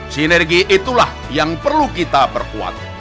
sinergi itulah yang perlu kita perkuat